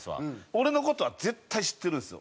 俺の事は絶対知ってるんですよ。